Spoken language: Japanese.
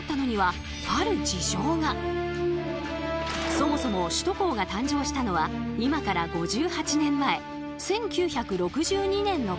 そもそも首都高が誕生したのは今から５８年前１９６２年のこと。